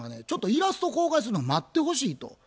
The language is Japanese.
ちょっと「イラストを公開するのを待ってほしい」と。